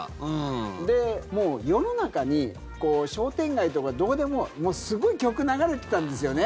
世の中に、商店街とかどこでももうすごい曲、流れてたんですよね。